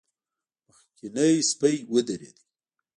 مخکينی سپی ودرېد.